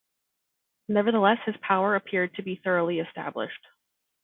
Nevertheless, his power appeared to be thoroughly established.